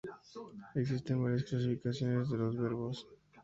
Existen varias clasificaciones de los verbos.